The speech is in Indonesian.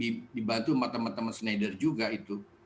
sektor kita sudah ada dibantu sama teman teman schneider juga itu